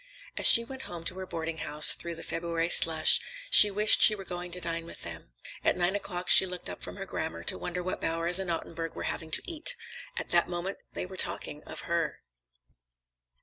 As she went home to her boarding house through the February slush, she wished she were going to dine with them. At nine o'clock she looked up from her grammar to wonder what Bowers and Ottenburg were having to eat. At that moment they were talking of her.